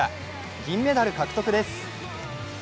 銀メダル獲得です。